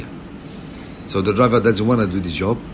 jadi penyedia tidak ingin melakukan pekerjaan ini